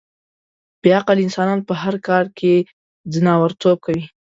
بې عقل انسانان په هر کار کې ځناورتوب کوي.